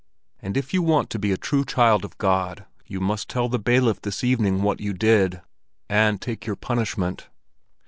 And if you want to be a true child of God, you must tell the bailiff this evening what you did—and take your punishment."